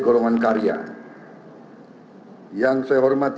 dan saya banggakan